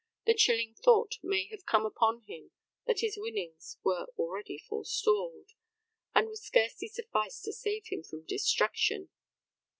The chilling thought may have come upon him that his winnings were already forestalled, and would scarcely suffice to save him from destruction.